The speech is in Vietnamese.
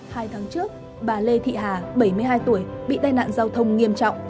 hai tháng trước bà lê thị hà bảy mươi hai tuổi bị tai nạn giao thông nghiêm trọng